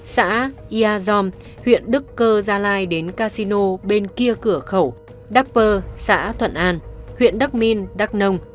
xã iazom huyện đức cơ gia lai đến casino bên kia cửa khẩu đắk bơ xã thuận an huyện đắc minh đắc nông